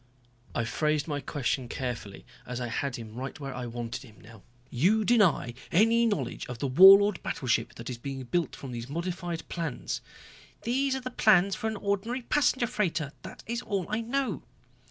I phrased my question carefully, as I had him right where I wanted him now. "You deny any knowledge of the Warlord battleship that is being built from these modified plans." "These are the plans for an ordinary passenger freighter, that is all I know."